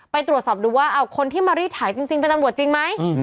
ไปตรวจสอบดูว่าคนที่มารีดถ่ายจริงเป็นตำรวจจริงไหม